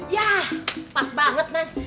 yah pas banget mas